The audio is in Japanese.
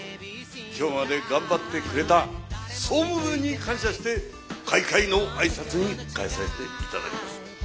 今日まで頑張ってくれた総務部に感謝して開会の挨拶に代えさせて頂きます。